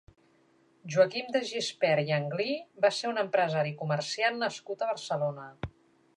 Joaquim De Gispert i Anglí va ser un empresari i comerciant nascut a Barcelona.